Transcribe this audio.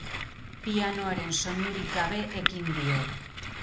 Pianoaren soinurik gabe ekin dio.